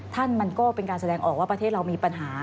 มันก็เป็นการแสดงออกว่าประเทศเรามีปัญหา